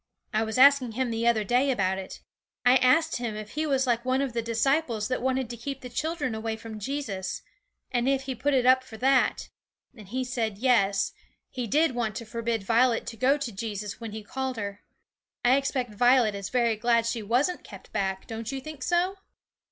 I was asking him the other day about it. I asked him if he was like one of the disciples that wanted to keep the children away from Jesus, and if he put it up for that, and he said, Yes, he did want to forbid Violet to go to Jesus when He called her. I expect Violet is very glad she wasn't kept back, don't you think so?'